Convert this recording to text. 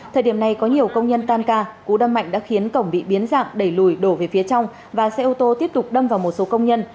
thời điểm này có nhiều công nhân tan ca cú đâm mạnh đã khiến cổng bị biến dạng đẩy lùi đổ về phía trong và xe ô tô tiếp tục đâm vào một số công nhân